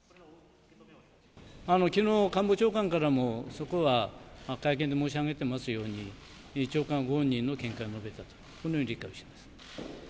きのう、官房長官からもそこは会見で申し上げてますように、長官ご本人の見解を述べたと、このように理解をしています。